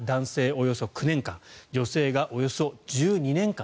およそ９年間女性がおよそ１２年間。